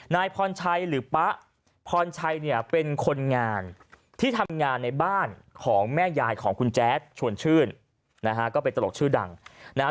นายพรชัยหรือป๊ะพรชัยเนี่ยเป็นคนงานที่ทำงานในบ้านของแม่ยายของคุณแจ๊ดชวนชื่นนะฮะก็เป็นตลกชื่อดังนะฮะ